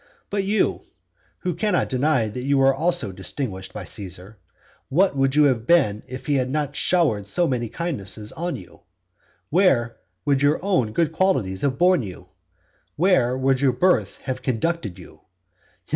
But you, who cannot deny that you also were distinguished by Caesar, what would you have been if he had not showered so many kindnesses on you? Where would your own good qualities have borne you? Where would your birth have conducted you?